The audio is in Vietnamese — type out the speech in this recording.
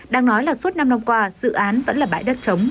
đang nói là suốt năm năm qua dự án vẫn là bãi đất trống